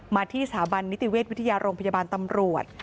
ที่สถาบันนิติเวชวิทยาโรงพยาบาลตำรวจ